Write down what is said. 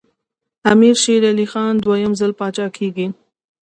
امیر شېر علي خان دوهم ځل پاچا کېږي.